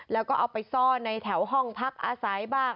แล้วก็เอาไปซ่อนในแถวห้องพักอาศัยบ้าง